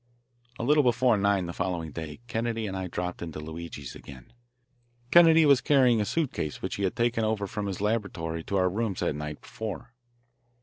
A little before nine the following day Kennedy and I dropped into Luigi's again. Kennedy was carrying a suit case which he had taken over from his laboratory to our rooms the night before.